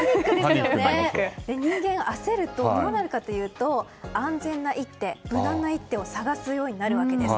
人間、焦るとどうなるかというと安全な一手、無難な一手を探すようになるわけです。